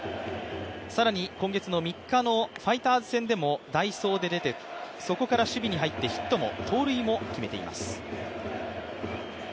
更に今月の３日のファイターズ戦でも代走で出て、そこから守備に入ってヒットも盗塁も決めています。